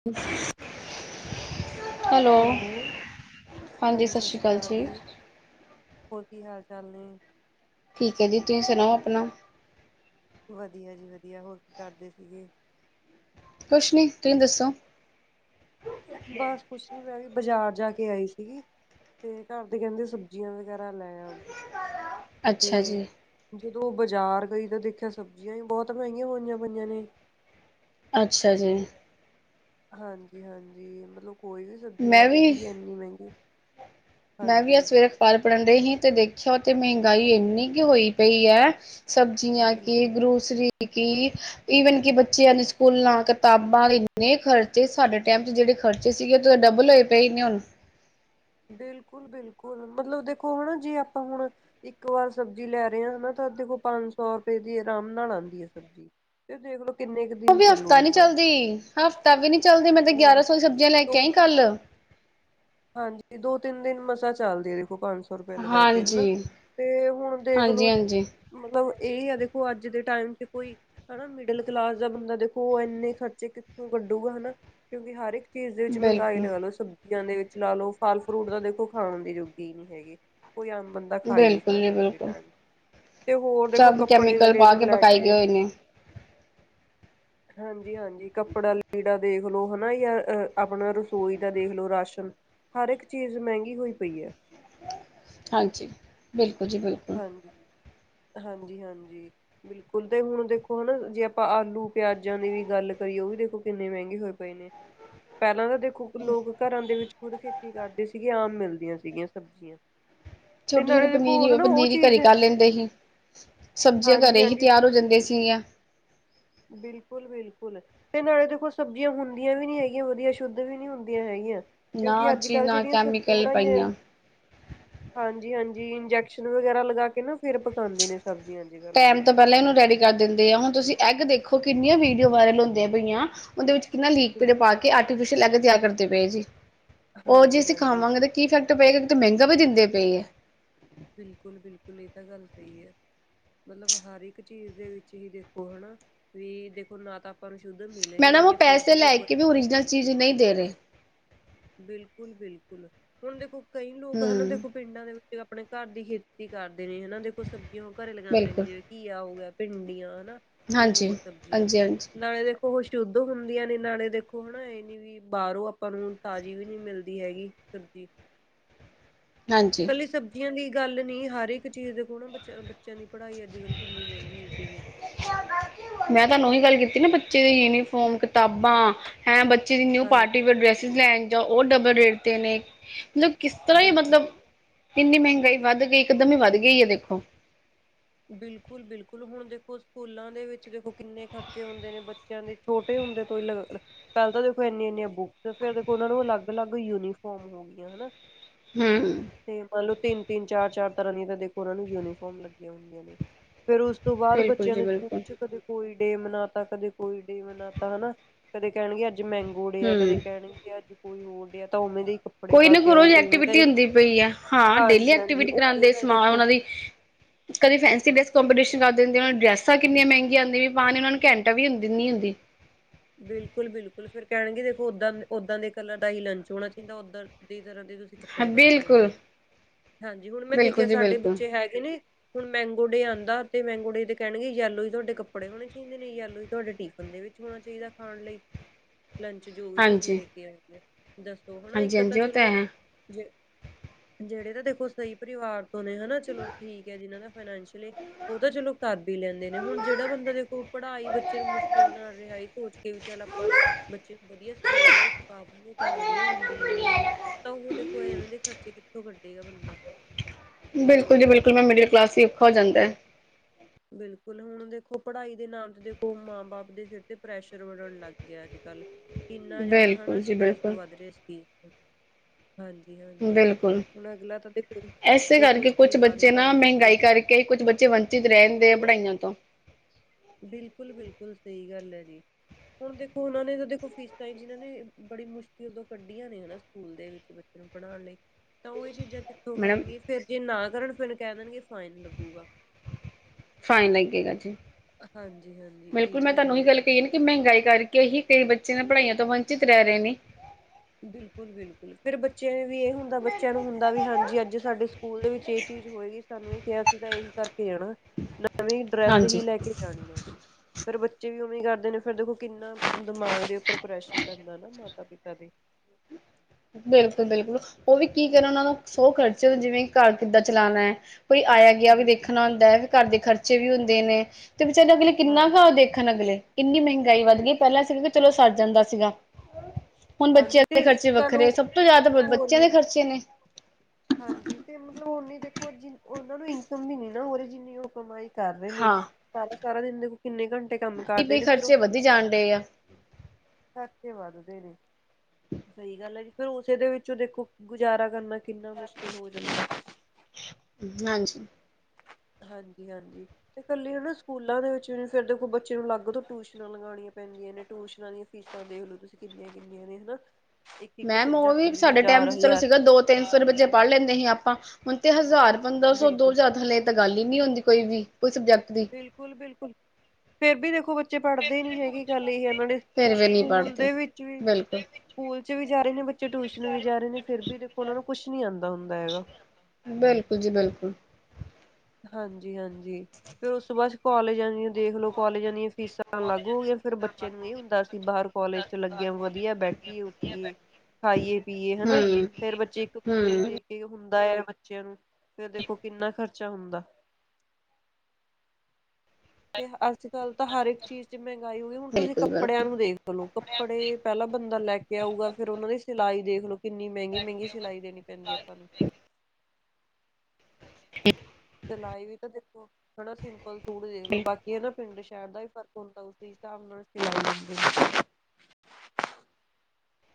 [inaudible] Hello, ਹਾਂਜੀ ਸਤਿ ਸ਼੍ਰੀ ਅਕਾਲ ਜੀ। ਹੋਰ ਕੀ ਹਾਲ ਚਾਲ ਨੇ। ਠੀਕ ਐ ਜੀ ਤੁਸੀਂ ਸੁਣਾਓ ਆਪਣਾ। ਵਧੀਆ ਜੀ ਵਧੀਆ ਹੋਰ ਕੀ ਕਰਦੇ ਸੀਗੇ। ਕੁਛ ਨ੍ਹੀਂ ਤੁਸੀਂ ਦੱਸੋ। ਬਸ ਕੁੱਛ ਨੀ ਮੈਂ ਵੀ ਬਜ਼ਾਰ ਜਾ ਕੇ ਆਈ ਸੀਗੀ। ਤੇ ਘਰ ਦੇ ਕਹਿੰਦੇ ਸਬਜ਼ੀਆਂ ਵਗੈਰਾ ਲੈ ਆ ਅੱਛਾ ਤੇ ਜੀ ਜਦੋਂ ਬਾਜ਼ਾਰ ਗਈ ਤਾਂ ਦੇਖਿਆ ਸਬਜ਼ੀਆਂ ਈ ਬਹੁਤ ਮਹਿੰਗੀਆਂ ਹੋਈਆਂ ਪਈਆਂ ਨੇ। ਅੱਛਾ ਜੀ। ਹਾਂਜੀ ਹਾਂਜੀ, ਮਤਲਬ ਕੋਈ ਵੀ ਸਬਜ਼ੀ ਮੈਂ ਲੈ ਰਹੀ ਵੀ ਸੀਗੀ ਇੰਨੀ ਮਹਿੰਗੀ ਮੈਂ ਵੀ ਆ ਹਾਂਜੀ ਸਵੇਰੇ ਅਖ਼ਬਾਰ ਪੜ੍ਹਨ ਡਈ ਹੀ ਤੇ ਦੇਖਿਆ ਤੇ ਮਹਿੰਗਾਈ ਇੰਨੀ ਕੁ ਹੋਈ ਪਈ ਐ ਸਬਜ਼ੀਆਂ ਕੀ ਬਿਲਕੁਲ ਗਰੋਸਰੀ ਕੀ ਈਵਨ ਕਿ ਬੱਚਿਆਂ ਦੇ ਸਕੂਲਾਂ ਕਿਤਾਬਾਂ ਇੰਨੇ ਖਰਚੇ ਸਾਡੇ ਟਾਈਮ ਚ ਜਿਹੜੇ ਖਰਚੇ ਸੀਗੇ ਤੇ ਡਬਲ ਹੋਏ ਪਏ ਨੇ ਹੁਣ ਬਿਲਕੁਲ ਬਿਲਕੁਲ ਮਤਲਬ ਦੇਖੋ ਹਨਾ ਜੇ ਆਪਾਂ ਹੁਣ ਇੱਕ ਵਾਰ ਸਬਜ਼ੀ ਲੈ ਰਹੇ ਆ ਹਨਾ ਤਾਂ ਦੇਖੋ ਕੋਲ ਪੰਜ ਸੌ ਰੁਪਏ ਦੀ ਆਰਾਮ ਨਾਲ ਆਂਦੀ ਐ ਸਬਜ਼ੀ ਫੇਰ ਦੇਖਲੋ ਕਿੰਨੇ ਕ ਉਹ ਵੀ ਹਫ਼ਤਾ ਨੀ ਚੱਲਦੀ ਹਫ਼ਤਾ ਵੀ ਨੀ ਚਲਦੀ ਮੈਂ ਤੇ ਗਿਆਰਾਂ ਹਾਂਜੀ ਸੌ ਦੀਆਂ ਸਬਜ਼ੀਆਂ ਲੈ ਕੇ ਦੋ ਆਈ ਕੁ ਕੱਲ ਹਾਂਜੀ ਦੋ ਤਿੰਨ ਦਿਨ ਮਸਾ ਚੱਲਦੀ ਹੈ ਦੇਖੋ ਪੰਜ ਸੌ ਸੋ ਰੁਪਏ ਲਗਾ ਕੇ ਹਨਾ ਹਾਂਜੀ ਤੇ ਹੁਣ ਦੇਖਲੋ ਹਾਂਜੀ ਹਾਂਜੀ ਮਤਲਬ ਇਹ ਆ ਦੇਖੋ ਅੱਜ ਦੇ ਟਾਈਮ ਤੇ ਕੋਈ ਹਨਾਂ, ਮਿਡਲ ਕਲਾਸ ਦਾ ਬੰਦਾ ਦੇਖੋ ਇੰਨੇ ਖਰਚੇ ਕਿੱਥੋਂ ਕੱਢੂਗਾ ਹਨਾ ਕਿਉਂਕਿ ਹਰ ਇੱਕ ਚੀਜ਼ ਦੇ ਵਿੱਚ ਮਹਿੰਗਾਈ ਬਿਲਕੁਲ ਲਗਾ ਲੋ ਸਬਜ਼ੀਆਂ ਦੇ ਵਿੱਚ ਲਾ ਲਓ। ਫਲ ਫਰੂਟ ਤਾਂ ਦੇਖੋ ਖਾਣ ਦੀ ਜੁਗੀ ਨ੍ਹੀਂ ਹੈਗੇ, ਕੋਈ ਆਮ ਬੰਦਾ ਖਾ ਈ ਨ੍ਹੀਂ ਬਿਲਕੁਲ ਜੀ ਸਕਦਾ ਦੂਜੇ ਬਿਲਕੁਲ ਟਾਈਮ ਤੇ ਹੋਰ ਦੇਖੋ ਸਭ ਕੱਪੜੇ ਕੈਮੀਕਲ ਲੀੜੇ ਪਾ ਨੂੰ ਲੈ ਪਕਾਏ ਗਏ ਕੇ ਹੋਏ ਨੇ ਹਾਂਜੀ ਹਾਂਜੀ ਕੱਪੜਾ ਲੀੜਾ ਦੇਖ ਲੋ ਹਨਾ ਯ ਆਪਣਾ ਰਸੋਈ ਦਾ ਦੇਖ ਲੋ ਰਾਸ਼ਨ ਹਰ ਇੱਕ ਚੀਜ਼ ਮਹਿੰਗੀ ਹੋਈ ਪਈ ਐ। ਹਾਂਜੀ, ਬਿਲਕੁਲ ਜੀ ਬਿਲਕੁਲ। ਹਾਂਜੀ, ਹਾਂਜੀ ਹਾਂਜੀ। ਬਿਲਕੁਲ ਤੇ ਹੁਣ ਦੇਖੋ ਹਨਾ, ਜੇ ਆਪਾਂ ਆਲੂ ਪਿਆਜਾਂ ਦੀ ਵੀ ਗੱਲ ਕਰੀਏ ਉਹ ਵੀ ਦੇਖੋ ਕਿੰਨੇ ਮਹਿੰਗੇ ਹੋਏ ਪ ਨੇ ਪਹਿਲਾਂ ਤਾਂ ਦੇਖੋ ਲੋਕ ਘਰਾਂ ਦੇ ਵਿੱਚ ਖੁਦ ਖੇਤੀ ਕਰਦੇ ਸੀਗੇ ਆਮ ਮਿਲਦੀਆਂ ਸੀਗੀਆਂ ਸਬਜ਼ੀਆਂ ਤੇ ਛੋਟੀ-ਛੋਟੀ ਨਾਲੇ ਦੇਖੋ ਪਨੀਰੀ ਉਹ ਹਨਾ ਪਨੀਰੀ ਚੀਜ਼ ਘਰੇ ਹੈ ਕਰ ਲੈਂਦੇ ਹੀ, ਸਬਜ਼ੀਆਂ ਹਾਂਜੀ ਘਰੇ ਹੀ ਹਾਂਜੀ ਤਿਆਰ। ਜਾਂਦੇ ਸੀਗੀਆਂ। ਬਿਲਕੁਲ ਬਿਲਕੁਲ। ਤੇ ਨਾਲੇ ਦੇਖੋ ਸਬਜ਼ੀਆਂ ਹੁੰਦੀਆਂ ਵੀ ਨੀ ਹੈਗੀਆਂ ਵਧੀਆ ਸ਼ੁੱਧ ਵੀ ਨ੍ਹੀਂ ਹੁੰਦੀਆਂ ਹੈਗੀਆਂ। ਕਿਉਂਕਿ ਨਾ ਜੀ ਅੱਜ-ਕੱਲ੍ਹ ਨਾ ਜਿਹੜੀਆਂ ਸਬਜ਼ੀਆਂ ਕੈਮੀਕਲ ਬਣਾਈਆਂ ਪਾਈਆਂ ਹਾਂਜੀ ਹਾਂਜੀ, ਇੰਜੈਕਸ਼ਨ ਵਗੈਰਾ ਲਗਾ ਕੇ ਨਾ ਫਿਰ ਪਕਾਂਦੇ ਨੇ ਸਬਜ਼ੀਆਂ। ਕੱਲ ਟਾਈਮ ਤਾਂ ਪਹਿਲਾਂ ਇਹਨੂੰ ਰੈਡੀ ਕਰ ਦਿੰਦੇ ਆ, ਹੁਣ ਤੁਸੀਂ ਐੱਗ ਦੇਖੋ ਕਿੰਨੀਆਂ ਵੀਡੀਓ ਵਾਇਰਲ ਹੁੰਦੀਆਂ ਪਈਆਂ। ਉਹਦੇ ਵਿੱਚ ਕਿੰਨਾ ਬਿਲ ਲੀਕਅਡ ਪਾ ਕੇ ਆਰਟੀਫਿਸ਼ਲ ਐੱਗ ਤਿਆਰ ਕਰਦੇ ਪਏ ਜੀ, ਉਹ ਜੇ ਹਾਂਜੀ ਅਸੀਂ ਹਾਂਜੀ ਖਾਵਾਂਗੇ ਤੇ ਕੀ ਇਫੈਕਟ ਪਏਗਾ ਕਿਤੇ ਮਹਿੰਗਾ ਵੀ ਦਿੰਦੇ ਪਏ ਐ। ਬਿਲਕੁਲ ਬਿਲਕੁਲ ਇਹ ਤਾਂ ਗੱਲ ਸਹੀ ਐ। ਮਤਲਬ ਹਰ ਇੱਕ ਚੀਜ਼ ਦੇ ਵਿੱਚ ਹੀ ਦੇਖੋ ਹਨਾ, ਵੀ ਦੇਖੋ ਨਾ ਤਾਂ ਨੂੰ ਸ਼ੁੱਧ ਮਿਲੇ ਮੈਡਮ ਉਹ ਜਾਂ ਫਿਰ ਪੈਸੇ ਲੈ ਦੇਖੋ ਕੇ ਵੀ ਓਰੀਜਨਲ ਚੀਜ਼ ਨਈਂ ਦੇ ਰਹੇ। ਬਿਲਕੁਲ ਬਿਲਕੁਲ, ਹੁਣ ਦੇਖੋ ਕਈ ਲੋਕ ਹਨਾ ਹਮ ਦੇਖੋ ਪਿੰਡਾਂ ਦੇ ਵਿੱਚ ਆਪਣੇ ਘਰ ਦੀ ਖੇਤੀ ਕਰਦੇ ਨੇ ਹਨਾ, ਦੇਖੋ ਸਬਜ਼ੀਆਂ ਘਰੇ ਲਗਾਉਂਦੇ ਨੇ ਬਿਲਕੁਲ ਜਿਵੇਂ ਘੀਆ ਹੋ ਗਿਆ ਭਿੰਡੀਆਂ ਹਨਾ ਤੇ ਹਾਂਜੀ, ਹੋਰ ਸਬਜ਼ੀਆਂ ਹਾਂਜੀ, ਹਾਂਜੀ, ਨਾਲੇ ਦੇ ਉਹ ਸ਼ੁੱਧ ਹੁੰਦੀਆਂ ਨੇ ਨਾਲੇ ਦੇਖੋ ਹਨਾ ਏ ਨੀ ਵੀ ਬਾਅਰੋਂ ਆਪਾਂ ਨੂੰ ਤਾਜ਼ੀ ਵੀ ਨੀ ਮਿਲਦੀ ਹੈਗੀ ਸਬਜ਼ੀ। ਹਾਂਜੀ ਇਕੱਲੀ ਸਬਜ਼ੀਆਂ ਦੀ ਗੱਲ ਨੀ ਹਰ ਇੱਕ ਚੀਜ਼ ਦੇਖੋ ਨਾ ਬਚ ਬੱਚਿਆਂ ਦੀ ਪੜ੍ਹਾਈ ਅੱਜ ਕੱਲ ਕਿੰਨੀ ਮਹਿੰਗੀ ਹੋਈ ਪਈ ਐ ਮੈਂ ਤਾਨੂੰ ਓਹੀ ਗੱਲ ਕੀਤੀ ਨਾ ਬੱਚੇ ਦੀ ਯੂਨੀਫੋਮ ਕਿਤਾਬਾਂ ਹੈਂ ਬੱਚੇ ਦੀ ਨਿਊ ਹਾਂਜੀ ਪਾਰਟੀ ਵੇਅਰ ਡਰੈਸਿਸ ਲੈਣ ਜਾਓ ਓ ਡਬਲ ਰੇਟ ਤੇ ਨੇ ਮਤਲਬ ਕਿਸ ਤਰ੍ਹਾਂ ਈ ਬਿਲਕੁਲ ਮਤਲਬ ਇੰਨੀ ਮਹਿੰਗਾਈ ਵੱਧ ਗਈ ਇਕਦਮ ਹੀ ਵੱਧ ਗਈ ਹੈ ਦੇਖੋ ਬਿਲਕੁਲ ਬਿਲਕੁਲ ਹੁਣ ਦੇਖੋ ਸਕੂਲਾਂ ਦੇ ਵਿੱਚ ਦੇਖੋ ਕਿੰਨੇ ਖਰਚੇ ਹੁੰਦੇ ਨੇ ਬੱਚਿਆਂ ਦੇ ਛੋਟੇ ਹੁੰਦੇ ਤੋਂ ਹੀ ਪੈਲ ਤਾਂ ਦੇਖੋ ਏਨੀਆਂ ਏਨੀਆਂ ਬੁੱਕਸ ਨੇ ਫਿਰ ਦੇਖੋ ਓਨਾਂ ਨੂੰ ਅਲੱਗ, ਅਲੱਗ ਯੂਨੀਫੋਮ ਹੋ ਗਈਆਂ ਹਨਾ। ਹੁੰ, ਹੁੰ ਤੇ ਮਨਲੋ ਤਿੰਨ ਤਿੰਨ, ਚਾਰ ਚਾਰ ਤਰ੍ਹਾਂ ਦੀਆਂ ਤਾਂ ਦੇਖੋ ਓਨਾਂ ਨੂੰ ਯੂਨੀਫਾਰਮ ਲੱਗੀਆਂ ਹੁੰਦੀਆਂ ਨੇ। ਫੇਰ ਉਸ ਤੋਂ ਬਾਅਦ ਬਿਲਕੁਲ ਬੱਚਿਆਂ ਜੀ ਨੂੰ ਸਕੂਲ ਬਿਲਕੁਲ ਚ ਕਦੇ ਕੋਈ ਡੇ ਮਨਾ ਤਾ ਕਦੇ ਕੋਈ ਡੇ ਮਨਾ ਤਾ ਹਨਾ ਕਦੇ ਕਹਿਣਗੇ ਅੱਜ ਮੈਂਗ ਓ ਡੇ ਆ ਕਦੇ ਹੂੰ। ਕਹਿਣਗੇ ਅੱਜ ਕੋਈ ਹੋਰ ਡੇ ਆ ਤਾਂ ਓਵੇਂ ਦੇ ਇ ਕੋਈ ਨਾ ਕੋਈ ਰੋਜ਼ ਐਕਟੀਵਿਟੀ ਹੁੰਦੀ ਪਈ ਆ ਹਾਂ ਡੇਲੀ ਹਾਂਜੀ ਹਾਂਜੀ ਐਕਟੀਵਿਟੀ ਉਵੇਂ ਕਰਾਂਦੇ ਦਾ ਹੀ ਸਮਾਂ ਦੇਖੋ ਓਨਾਂ ਦੀ ਕਦੇ ਫੈਂਸੀ ਡਰੈਸ ਕੰਪੀਟੀਸ਼ਨ ਕਰ ਦੇਂਦੇ ਓ ਡਰੈੱਸਾਂ ਕਿੰਨਆਂ ਮੈਂਗੀਆਂ ਆਂਦੀਆਂ ਪਾਨ ਨੂੰ ਓਨਾਂ ਨੂੰ ਘੰਟਾ ਵੀ ਹੁੰਦੀ [unintelligible] ਨਨੀ ਹੁੰਦੀ। ਬਿਲਕੁਲ, ਬਿਲਕੁਲ ਫਿਰ ਕੈਣਗੇ ਦੇਖੋ ਓਦਾਂ ਓਦਾਂ ਦੇ ਕਲਰ ਦਾ ਹੀ ਲੰਚ ਹੋਣਾ ਚਾਈਦਾ ਓਦਰ ਦੀ ਤਰ੍ਹਾਂ ਦੇ ਤੁਸੀਂ ਹਾਂ, ਕੱਪੜੇ ਪਾ ਕੇ ਆਣੇ ਬਿਲਕੁਲ, ਨੇ ਹਾਂਜੀ, ਹੁਣ ਮੈਂ ਬਿਲਕੁਲ ਦੇਖਿਆ ਜੀ ਸਾਡੇ ਬਿਲਕੁਲ ਬੱਚੇ ਹੈਗੇ ਨੇ। ਹੁਣ ਮੈਂਗੋਡੇ ਆਂਦਾ ਤੇ ਮੈਂਗੋਡੇ ਤੇ ਕੈਣਗੇ ਯੈਲੋ ਹੀ ਤੁਹਾਡੇ ਕੱਪੜੇ ਹੋਣੇ ਚਾਹੀਦੇ ਨੇ ਜਲੋ ਹੀ ਤੁਹਾਡੇ ਟੀਫਨ ਦੇ ਵਿੱਚ ਹੋਣਾ ਚਾ ਫਰੀ ਦਾ ਖਾਣ ਲਈ ਲੰਚ ਜੋ ਵੀ ਤੁਸੀਂ ਹਾਂਜੀ। ਲੇ ਕੇ ਆਂਦੇ ਓ। ਦੱਸੋ ਹਣਾ ਹਾਂਜੀ ਇੱਕ ਤਾਂ ਹਾਂਜੀ ਉਹ ਚਲੋ ਹੈ। ਜੇ ਜੇੜੇ ਤਾ ਦੇਖੋ ਸਈ ਪਰਿਵਾਰ ਤੋਂ ਨੇ ਹਨਾ ਚਲੋ ਠੀਕ ਜਿਨਾਂ ਦਾ ਫਾਈਨੈਂਸ਼ਲੀ ਓ ਤਾਂ ਚਲੋ ਕਰ ਬੀ ਲੈਂਦੇ ਨੇ ਹੁਣ ਜੇੜਾ ਬੰਦਾ ਦੇਖੋ ਪੜ੍ਹਾ ਈ ਬੱਚੇ ਨੂੰ ਮੁਸ਼ਕਿਲ ਨਾਲ ਰਿਹਾ ਏ ਸੋਚ ਕੇ ਵੀ ਚੱਲ ਆਪਾਂ ਬੱਚੇ ਨੂੰ ਵਧੀਆ ਸਕੁ ਕੂਲ ਦੇ ਵਿੱਚ ਪਾਵਾਂਗੇ ਤਾਂ ਵਧੀਆ ਜ਼ਿੰਦਗੀ ਬਣੂਗੀ ਤਾਂ ਓ ਦੇਖ ਓ ਐਵੇਂ ਦੇ ਖਰਚੇ ਕਿੱਥੋਂ ਕੱਢੇਗਾ ਬੰਦਾ? ਬਿਲਕੁਲ ਜੀ ਬਿਲਕੁਲ ਮੈਂ ਮਿਡਲ ਕਲਾਸ ਈ ਔਖਾ ਹੋ ਜਾਂਦਾ ਐ ਬਿਲਕੁਲ ਹੁਣ ਦੇਖੋ ਪੜ੍ਹਾਈ ਦੇ ਨਾਮ ਤੇ ਦੇਖੋ ਮਾਂ ਬਾਪ ਦੇ ਸਿਰ ਤੇ ਪ੍ਰੈਸ਼ਰ ਵਧਨ ਲੱਗ ਗਿਆ ਅੱਜ ਕੱਲ੍ਹ। ਕਿੰਨਾ ਹੈ ਜ਼ਿਆਦਾ ਹਨਾ ਬਿਲਕੁਲ ਜੀ ਸਟਰੈਸ ਬਿਲਕੁਲ। ਵੱਧ ਰੇਆ ਏਸ ਚੀਜ਼ ਤੋਂ। ਹਾਂਜੀ, ਹਾਂਜੀ ਬਿਲਕੁਲ। ਹੁਣ ਅਗਲਾ ਤਾਂ ਦੇਖੋ ਇਸੇ ਏ ਸੋਚ ਕੇ ਲਗਾ ਦਿੰਦਾ ਵਧੀਆ ਸਕੂਲ ਚ ਕਈ ਕੁੱਛ ਬੱਚੇ ਵੰਚਿਤ ਰੈ ਜਾਂਦੇ ਆ ਪੜ੍ਹਾਈਆਂ ਤੋਂ। ਬਿਲਕੁਲ, ਬਿਲਕੁਲ ਸਈ ਗੱਲ ਐ ਜੀ। ਹੁਣ ਦੇਖੋ ਓਨਾਂ ਨੇ ਤਾਂ ਦੇਖੋ ਫੀਸਾਂ ਜਿਨਾਂ ਨੇ ਬੜੀ ਮੁਸ਼ਕਿਲ ਤੋਂ ਕੱਢੀਆਂ ਨੇ ਹਨਾ ਸਕੂਲ ਦੇ ਵਿੱਚ ਬੱਚੇ ਪੜਾਣ ਲਈ ਤਾਂ ਓ ਏ ਚੀਜ਼ਾਂ ਕਿੱਥੋਂ ਮੈਡਮ ਕਰਨਗੇ ਫੇਰ ਜੇ ਨਾ ਕਰਨ ਫਿਰ ਕੈ ਦੇਣਗੇ ਫਾਈਨ ਲੱਗੂਗਾ। ਫਾਈਨ ਲੱਗੇਗਾ ਜੀ ਹਾਂਜੀ, ਹਾਂਜੀ ਏ ਬਿਲਕੁਲ ਮੈਂ ਚੀਜ਼ ਤੁਹਾਨੂੰ ਹੋ ਇਹੀ ਗੱਲ ਜਾਂਦੀ ਕਹੀ ਨਾ ਕਿ ਮਹਿੰਗਾਈ ਕਰਕੇ ਹੀ ਕਈ ਬੱਚੇ ਨਾ ਪੜ੍ਹਾਈਆਂ ਤੋਂ ਵੰਚਿਤ ਰਹਿ ਰੇ ਨੇ। ਬਿਲਕੁਲ, ਬਿਲਕੁਲ ਫਿਰ ਬਚ ਬੱਚੇ ਵੀ ਐ ਹੁੰਦਾ ਬੱਚਿਆਂ ਨੂੰ ਹੁੰਦਾ ਵੀ ਹਾਂਜੀ ਅੱਜ ਸਾਡੇ ਸਕੂਲ ਦੇ ਵਿੱਚ ਏ ਚੀਜ਼ ਹੋਏਗੀ ਸਾਨੂੰ ਏ ਕੇਆ ਸੀ ਤਾਂ ਇਹੀ ਕਰਕੇ ਅਨਾ ਨਵੀਂ ਡਰੈਸ ਹੀ ਹਾਂਜੀ। ਲੈ ਕੇ ਜਾਣੀ ਆ। ਫੇਰ ਬੱਚੇ ਵੀ ਉਂਵੇਂ ਈ ਕਰਦੇ ਨੇ ਫਿਰ ਦੇਖੋ ਕਿੰਨਾ ਦਿਮਾਗ ਦੇ ਉੱਪਰ ਪ੍ਰੈਸ਼ਰ ਪੈਂਦਾ ਨਾ ਮਾਤਾ ਪਿਤਾ ਦੇ। [inaudible] ਬਿਲਕੁਲ-ਬਿਲਕੁਲ ਉਹ ਵੀ ਕੀ ਕਰਨ ਉਹਨਾਂ ਨੂੰ ਸੌ ਖਰਚੇ ਜਿਵੇਂ ਘਰ ਕਿੱਦਾਂ ਚਲਾਣਾ ਐ। ਕੋਈ ਆਇਆ। ਵੀ ਬਿਲਕੁਲ ਦੇਖਣਾ ਹੁੰਦਾ ਐ ਫਿਰ ਘਰ ਦੇ ਖਰਚੇ ਵੀ ਹੁੰਦੇ ਨੇ ਤੇ ਵਿਚਾਰੇ ਅਗਲੇ ਹਾਂ ਕਿੰਨਾ ਕੁ ਦੇਖਣ ਅਗਲੇ। ਇੰਨੀ ਮਹਿੰਗਾਈ ਵੱਧ ਗਈ ਪਹਿਲਾਂ ਸੀਗਾ ਕਿ ਚਲੋ ਸਰ ਜਾਂਦਾ ਸੀਗਾ, ਹੁਣ ਹਾਂਜੀ ਬੱਚਿਆਂ ਤੇ ਦੇ ਇੱਕ ਖਰਚੇ ਵ ਗੱਲ ਵੱਖਰੇ ਉਹ ਸਭ ਤੋਂ ਜ਼ਿਆਦਾ ਹੋਰ ਬੱਚਿਆਂ ਦੇ ਖਰਚੇ ਨੇ। ਹਾਂਜੀ ਤੇ ਮਤਲਬ ਓਨੀ ਦੇਖੋ ਜਿ ਉਹਨਾ ਨੂੰ ਇਨਕਮ ਨੀ ਨਾ ਉਹ ਰੀ ਜਿੰਨੀ ਉਹ ਕਮਾਈ ਕਰ ਰਹੇ ਨੇ, ਹਾਂ ਸਾਰਾ ਸਾਰਾ ਦਿਨ ਦੇ ਕਿੰਨੇ ਘੰਟੇ ਕੰਮ ਕਰਦੇ ਬਈ ਨੇ ਫੇਰ ਖਰਚੇ ਉਹ ਵਧੀ ਜਾਣ ਡੇ ਐ। ਖਰਚੇ ਵੱਧਗੇ ਨੇ ਜੀ, ਸਹੀ ਗੱਲ ਐ ਜੀ। ਫੇਰ ਉਸੇ ਦੇ ਵਿੱਚੋਂ ਦੇਖੋ ਗੁਜ਼ਾਰਾ ਕਰਨਾ ਕਿੰਨਾ ਮੁਸ਼ਕਿਲ ਹੋ ਜਾਂਦਾ। ਹਾਂਜੀ। ਹਾਂਜੀ-ਹਾਂਜੀ। ਤੇ ਇਕੱਲੀ ਉਹ ਨਾ ਸਕੂਲਾਂ ਦੇ ਵਿੱਚ ਵੀ ਫਿਰ ਦੇਖੋ ਬੱਚੇ ਨੂੰ ਅਲੱਗ ਤੋਂ ਟਿਊਸ਼ਨਾਂ ਲਗਾਣੀਆਂ ਪੈਂਦੀਆਂ ਨੇ ਟਿਊਸ਼ਨਾਂ ਦੀਆ ਦੇਖ ਲੋ ਤੁਸੀਂ ਕਿੰਨੀਆਂ ਕਿੰਨੀਆਂ ਨੇ ਹਨਾ। ਇੱਕ ਇੱਕ ਮੈਮ ਉਹ ਸਬਜੈਕਟ ਵੀ ਦੀ ਸਾਡੇ ਟਾਈਮ ਹਜ਼ਾਰ ਚ ਚਲੋ ਹਜ਼ਾਰ ਸੀਗਾ ਦੋ ਤਿੰਨ ਸੌ ਰੁਪਏ ਪੜ੍ਹ ਲੈਂਦੇ ਸੀ ਆਪਾਂ ਹੁਣ ਤੇ ਹਜ਼ਾਰ ਪੰਦਰਾਂ ਸੌ ਦੋ ਬਿਲਕੁਲ ਹਜਾਰ ਹਲੇ ਤਾਂ ਗੱਲ ਹੀ ਨੀ ਹੁੰਦੀ ਕੋਈ ਵੀ ਕੋਈ ਸਬਜੈਕਟ ਦੀ। ਬਿਲਕੁਲ-ਬਿਲਕੁਲ, ਫਿਰ ਵੀ ਦੇਖੋ ਬੇ ਬੱਚੇ ਪੜ੍ਹਦੇ ਨੀ ਹੈਗੇ ਗੱਲ ਇਹੇ ਐ ਨਾਲੇ ਸਕੂਲ ਦੇ ਵਿੱਚ ਵੀ ਸਕੂਲ ਚ ਵੀ ਜਾ ਰਹੇ ਨੇ ਬੱਚੇ ਟਿਊਸ਼ਨ ਵੀ ਜਾ ਰਹੇ ਨੇ ਫਿਰ ਵੀ ਦੇਖੋ ਉਹਨਾਂ ਨੂੰ ਕੁਛ ਨੀ ਆਦਾ ਹੁੰਦਾ ਹੈਗਾ। ਬਿਲਕੁਲ ਜੀ ਬਿਲਕੁਲ। ਹਾਂਜੀ-ਹਾਂਜੀ, ਫੇਰ ਉਸ ਤੋਂ ਬਾਅਦ ਕੋਲਜ ਆ ਦਿਆ। ਦੇਖਲੋ ਕਾਲਜਾਂ ਦੀਆਂ ਫੀਸਾਂ ਲਾਗੂ ਹੋ ਗਈਆ ਫੇਰ ਬੱਚਿਆਂ ਨੂੰ ਇਹ ਹੁੰਦਾ ਸੀ ਬਾਹਰ ਕੋਲਜ ਚ ਲੱਗੇ ਆ ਵਧੀਆ ਬੈਠੀਏ। ਏ ਖਾਈਏ ਪੀਏ ਹਨਾ ਫੇਰ ਬੱਚੇ ਇੱਕ ਦਿਨ ਦੇ ਇਹ ਹੁੰਦਾ ਐ ਬੱਚਿਆਂ ਨੂੰ ਫਿਰ ਦੇਖੋ ਕਿੰਨਾ ਖਰਚਾ ਹੁੰਦਾ। ਤੇ ਅੱਜ-ਕੱਲ੍ਹ ਤਾਂ ਹਰ ਇੱਕ ਚੀਜ਼ ਚ ਮਹਿੰਗਾਈ ਹੋ ਗਈ ਹੁਣ ਤੁਸੀਂ ਬਿਲਕੁਲ ਕੱਪੜਿਆਂ ਬਿਲਕੁਲ ਨੂੰ ਦੇਖ ਖਲੋ ਕੱਪੜੇ ਪਹਿਲਾਂ ਬੰਦਾ ਲੈ ਕੇ ਆਊਗਾ ਫੇਰ ਉਹਨਾਂ ਦੀ ਸਿਲਾਈ ਦੇਖਲੋ। ਕਿੰਨੀ ਮਹਿੰਗੀ-ਮਹਿੰਗੀ ਸਿਲਾਈ ਦੇਣੀ ਪੈਂਦੀ ਐ ਆਪਾਂ ਨੂੰ। [inaudible] ਸਿਲਾਈ ਵੀ ਤਾਂ ਦੇਖੋ, ਹਨਾ ਸਿੰਪਲ ਸੂਟ ਦੇਖ ਲੋ ਬਾਕੀ ਹੈ ਨਾ ਪਿੰਡ ਸ਼ਹਿਰ ਦਾ ਫਰਕ ਹੁੰਦਾ ਉਸੇ ਹਿਸਾਬ ਨਾਲ ਸਵਾਈ ਲੈਂਦੇ।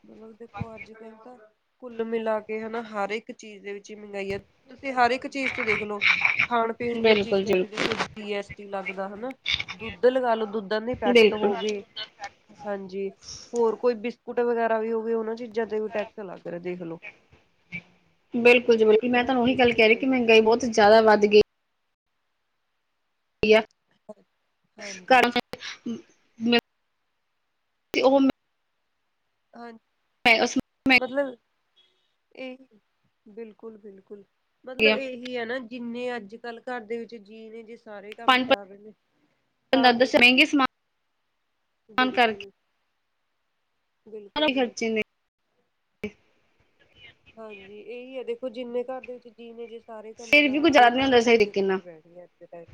ਮਤਲਬ ਦੇਖੋ ਅੱਜ ਕੱਲ ਤਾ ਕੁੱਲ ਮਿਲਾ ਕੇ ਹਨਾ ਹਰ ਇੱਕ ਚੀਜ਼ ਦੇ ਵਿੱਚ ਮਹਿੰਗਾਈ ਐ ਤੁਸੀਂ ਹਰ ਇੱਕ ਚੀਜ਼ ਤੇ ਦੇਖ ਲਓ। ਖਾਣ-ਪੀਣ ਦੀਆਂ ਬਿਲਕੁਲ ਜੀ ਚੀਜ਼ਾਂ ਬਿਲਕੁਲ ਤੇ ਦੇਖਲੋ ਜੀ ਐਸ ਟੀ ਲੱਗਦਾ ਹਨਾ। ਦੁੱਧ ਲਗਾ ਲੋ ਦੁੱਧਾਂ ਦੇ ਪੈਕਟ ਬਿਲਕੁਲ ਹੋ ਗਏ। ਹਾਂਜੀ ਹੋਰ ਕੋਈ ਬਿਸਕੁਟ ਵਗੈਰਾ ਵੀ ਹੋਵੇ ਉਹ ਨਾ ਚੀਜ਼ਾਂ ਤੇ ਵੀ ਟੈਕਸ ਲੱਗ ਰਿਹਾ ਦੇਖ ਲੋ। ਬਿਲਕੁਲ ਜੀ ਬਿਲਕੁਲ ਮੈਂ ਹਨਾ ਤੁਹਾਨੂੰ ਉਹੀ ਇਹ ਗੱਲ ਕਹਿ ਚੀਜ਼ ਰਹੀ ਕਿ ਹੋਗੀ। ਮਹਿੰਗਾਈ ਬਹੁਤ ਜਿਆਦਾ ਵੱਧ ਗਈ। [unintelligible] ਹਾਂਜੀ ਘਰ ਤੇ ਉਹੋ ਹਾ [inaudible] ਮਤਲਬ ਇਹ, ਬਿਲਕੁਲ-ਬਿਲਕੁਲ ਮਤਲਬ ਇਹ ਕੀ ਹਨਾ ਜਿੰਨੇ ਅੱਜ-ਕੱਲ੍ਹ ਘਰ ਦੇ ਵਿੱਚ ਜੀਅ ਨੇ ਜਿਸ ਸਾਰੇ ਕੰਮ ਪੰਜ ਕਰ ਰਹੇ ਨੇ, ਪੰਜ ਤਾਂ ਤੇ ਦਸ ਮਹਿੰਗੇ ਸਮਾਨ ਕਰਕੇ ਬਿਲਕੁਲ ਬਿਲਕੁਲ ਬਿ ਖਰਚੇ ਨੇ ਹਾਂਜੀ ਇਹੀ ਆ ਦੇਖੋ ਜਿੰਨੇ ਘਰ ਦੇ ਵਿੱਚ ਜੀਅ ਨੇ ਜਿਸ ਸਾਰੇ ਕੰਮ ਫਿਰ ਵੀ ਕੋਈ ਕਰਨਗੇ ਜ਼ਿਆਦਾ ਨਹੀਂ ਤਾਂ ਹੁੰਦਾ ਸਹੀ ਖ਼ਰਚੇ ਤਰੀਕੇ ਪੂਰੇ ਨਾਲ ਪੈਣਗੇ ਅੱਜ ਦੇ ਟਾਈਮ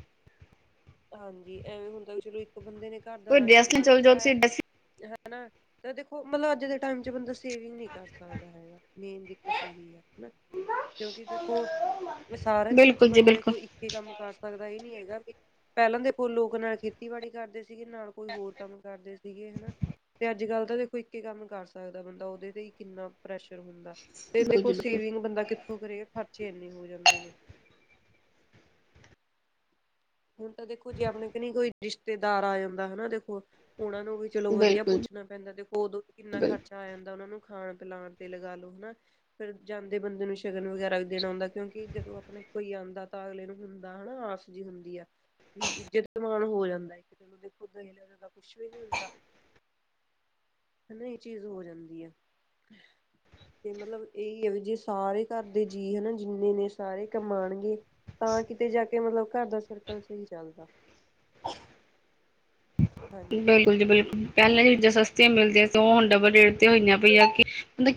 ਹਾਂਜੀ, ਐਵੇਂ ਹੁੰਦਾ ਵੀ ਚਲੋ ਇੱਕ ਬੰਦੇ ਨੇ ਘਰ ਦਾ ਕੋਈ ਰਾਸ਼ਨ ਡਰੈਸ ਨਾਲ ਪਾਣੀ ਚਲ ਜਾਓ ਚਲਾਇਆ। ਤੁਸੀਂ ਡਰੈਸ ਹਨਾ ਤੇ ਦੇਖੋ ਮਤਲਬ ਅੱਜ ਦੇ ਟਾਈਮ ਚ ਬੰਦਾ ਸੇਵਿੰਗ ਨੀ ਕਰ ਸਕਦਾ ਹੈਗਾ। ਮੇਨ ਦਿੱਕਤ ਇਹੀ ਆ ਹਨਾ ਕਿਉਂਕਿ ਦੇਖੋ ਸਾਰਾ ਦਿਨ ਚ ਬਿਲਕੁਲ ਜੀ ਬੰਦਾ ਬਿਲਕੁਲ ਦੇਖੋ। ਕੰਮ ਕਰ ਸਕਦਾ ਇਹ ਨੀ ਹੈਗਾ ਕਿ ਪਹਿਲਾਂ ਦੇਖੋ ਲੋਕ ਨਾਲ ਖੇਤੀਬਾੜੀ ਕਰਦੇ ਸੀਗੇ ਨਾਲ ਕੋਈ ਹੋਰ ਕੰਮ ਕਰਦੇ ਸੀਗੇ ਹਨਾ ਤੇ ਅੱਜ ਕੱਲ੍ਹ ਤਾਂ ਦੇਖੋ ਇੱਕੇ ਕੰਮ ਕਰ ਸਕਦਾ ਬੰਦਾ ਉਹਦੇ ਤੇ ਹੀ ਕਿੰਨਾ ਪ੍ਰੈਸ਼ਰ ਹੁੰਦਾ ਤੇ ਬਿਲਕੁਲ ਦੇਖੋ ਜੀ ਬਿਲਕੁਲ ਸੇਵਿੰਗ ਬੰਦਾ ਕਿੱਥੋਂ ਕਰੇ ਖਰਚੇ ਐਨੇ ਹੋ ਜਾਂਦੇ ਨੇ। ਹੁਣ ਤਾਂ ਦੇਖੋ ਜੇ ਆਪਣੇ ਕਨੀ ਕੋਈ ਰਿਸ਼ਤੇਦਾਰ ਆ ਜਾਂਦਾ ਹਨਾ ਦੇਖੋ ਉਹਨਾਂ ਨੂੰ ਵੀ ਚਲੋ ਵਧੀਆ ਬਿਲਕੁਲ ਜੀ ਪੁੱਛ ਣਾ ਪੈਂਦਾ ਤੇ ਦੇਖੋ ਓਦੋ ਵੀ ਕਿੰਨਾ ਬਿਲਕੁਲ ਖਰਚਾ ਆ ਜਾਂਦਾ ਉਹਨਾਂ ਨੂੰ ਖਾਣ ਪਿਲਾਣ ਤੇ ਲਗਾ ਲੋ ਹਨਾ। ਫਿਰ ਜਾਂਦੇ ਬੰਦੇ ਨੂੰ ਸ਼ਗਨ ਵਗੈਰਾ ਵੀ ਦੇਣਾ ਹੁੰਂਦਾ ਕਿਉਂਕਿ ਜਦੋਂ ਆਪਣੇ ਕੋਈ ਆਂਦਾ ਤਾਂ ਅਗਲੇ ਨੂੰ ਹੁੰਦਾ ਹਨਾ ਆ ਸ ਜੀ ਹੁੰਦੀ ਆ। ਵੀ ਇੱਜ਼ਤ ਮਾਣ ਹੋ ਜਾਂਦਾ ਇੱਕ ਦੂਜੇ ਨੂੰ ਦੇਖੋ ਲੈਣ ਦੇਣ ਦਾ ਕੁਛ ਵੀ ਨੀ ਹੁੰਦਾ। ਹਨਾ ਇਹ ਚੀਜ਼ ਹੋ ਜਾਂਦੀ ਆ। ਤੇ ਮਤਲਬ ਇਹੀ ਆ ਵੀ ਜੇ ਸਾਰੇ ਘਰ ਦੇ ਜੀਅ ਹਨਾ ਜਿੰਨੇ ਨੇ ਸਾਰੇ ਕਮਾਣਗੇ। ਤਾਂ ਕਿਤੇ ਜਾ ਕੇ ਮਤਲਬ ਘਰ ਦਾ ਸਰਕਲ ਸਹੀ ਚੱਲਦਾ। ਹਾਂਜੀ ਬਿਲਕੁਲ ਜੀ ਬਿਲਕੁਲ, ਪਹਿਲਾਂ ਜੇ ਸਸਤੀਆਂ ਮਿਲਦੀਆਂ ਤੇ ਓ ਹੁਣ ਡੱਬਲ ਰੇਟ ਤੇ ਹੋਈਆਂ ਪਈਆਂ ਕਿ, ਮਤਲਬ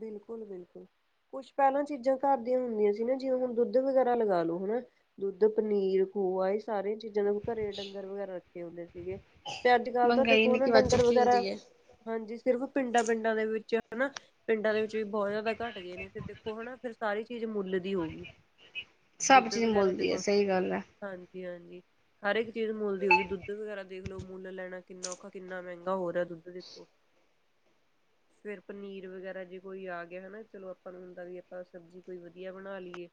ਬਿਲਕੁਲ ਬਿਲਕੁਲ। ਕੁਛ ਪਹਿਲਾਂ ਚੀਜ਼ਾਂ ਘਰ ਦੀਆਂ ਹੁੰਦੀਆਂ ਸੀ ਨਾ ਜਿਵੇਂ ਹੁਣ ਦੁੱਧ ਵਗੈਰਾ ਲਗਾ ਲੋ ਹਨਾ। ਦੁੱਧ, ਪਨੀਰ, ਖੋਆ ਇਹ ਸਾਰੀਆਂ ਚੀਜ਼ਾਂ ਨੂੰ ਘਰੇ ਡੰਗਰ ਵਗੈਰਾ ਰੱਖੇ ਹੁੰਦੇ ਸੀਗੇ। ਤੇ ਅੱਜ ਕੱਲ੍ਹ ਤਾਂ ਮਹਿੰਗਾਈ ਦੇਖੋ ਨੇ ਹਨਾ ਕਿ ਵੱਧ ਡੰਗਰ ਚੁੱਕੀ ਵਗੈਰਾ। ਹੁੰਦੀ ਹੈ। ਹਾਂਜੀ ਸਿਰਫ ਪਿੰਡਾਂ ਪਿੰਡਾਂ ਦੇ ਵਿੱਚ ਹਨਾ। ਪਿੰਡਾਂ ਦੇ ਵਿੱਚ ਵੀ ਬਹੁਤ ਜ਼ਿਆਦਾ ਘੱਟ ਗਏ ਨੇ ਦੇਖੋ ਹਨਾ ਫਿਰ ਸਾਰੀ ਚੀਜ਼ ਮੁੱਲ ਦੀ ਹੋਊਗੀ ਸਭ ਦੁੱਧ ਚੀਜ਼ ਵਗੈਰਾ ਮੁੱਲ ਦੀ ਹੈ ਦੇਖੋ ਸਹੀ ਗੱਲ ਹੈ। ਹਾਂਜੀ ਹਾਂਜੀ। ਹਰ ਇੱਕ ਚੀਜ਼ ਮੁੱਲ ਦੀ ਹੋ ਗਈ ਦੁੱਧ ਵਗੈਰਾ ਦੇਖਲੋ ਮੁੱਲ ਲੈਣਾ ਕਿੰਨਾ ਔਖਾ ਕਿੰਨਾ ਮਹਿੰਗਾ ਹੋ ਰਿਹਾ ਦੁੱਧ ਦੇਖੋ। ਫਿਰ ਪਨੀਰ ਵਗੈਰਾ। ਜੇ ਕੋਈ ਆ ਗਿਆ ਹਨਾ ਚਲੋ ਆਪਾਂ ਨੂੰ ਹੁੰਦਾ ਵੀ ਆਪਾਂ ਸਬਜ਼ੀ ਕੋਈ ਵਧੀਆ ਬਣਾ ਲਈ ਏ।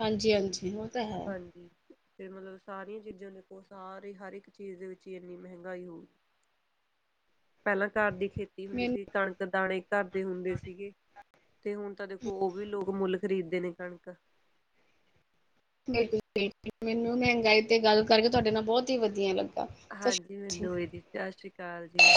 ਹਾਂਜੀ ਹਾਂਜੀ ਉਹ ਤਾਂ ਹੈ ਹਾਂਜੀ, ਫਿਰ ਮਤਲਬ ਸਾਰੀਆਂ ਚੀਜ਼ਾਂ ਦੇਖੋ ਸਾਰੀ ਹਰ ਇੱਕ ਚੀਜ਼ ਦੇ ਵਿੱਚ ਹੀ ਇੰਨੀ ਮਹਿੰਗਾਈ ਹੋ, ਪਹਿਲਾਂ ਘਰ ਦੀ ਖੇਤੀ ਹੁੰਦੀ ਮੈਨੂੰ ਸੀ ਕਣਕ ਦਾਣੇ ਘਰਦੇ ਹੁੰਦੇ ਸੀਗੇ ਤੇ ਹੁਣ ਤਾਂ ਦੇਖੋ ਉਹ ਵੀ ਲੋਕ ਮੁੱਲ, ਖਰੀਦ ਦੇ ਨੇ ਕਣਕ ਬਿਲਕੁਲ ਬਿਲਕੁਲ ਮੈਨੂੰ ਮਹਿੰਗਾਈ ਤੇ ਗੱਲ ਕਰਕੇ ਤੁਹਾਡੇ ਨਾਲ ਬਹੁਤ ਹੀ ਵਧੀਆ ਲੱ ਹਾਂਜੀ ਮੈਨੂੰ ਵੀ ਜੀ ਸਤਿ ਸ਼੍ਰੀ ਅਕਾਲ ਜੀ।